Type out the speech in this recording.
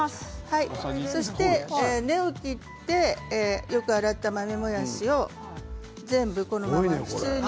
そして根を切ってよく洗った豆もやしを全部、このまま普通に。